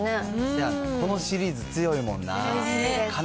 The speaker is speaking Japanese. せやねん、このシリーズ強いもんな。